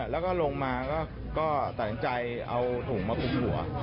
แล้วก็ลงมาก็ตัดสินใจเอาถุงมาคุมหัว